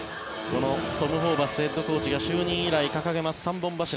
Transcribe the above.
このトム・ホーバスヘッドコーチが就任以来掲げます三本柱。